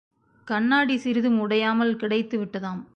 கண்ணாடி சிறிதும் உடையாமல் கிடைத்துவிட்டதாம்.